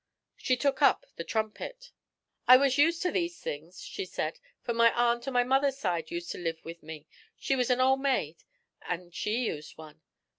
She took up the trumpet. 'I was used to these things,' she said, 'for my aunt on my mother's side used to live with me; she was a old maid an' she used one.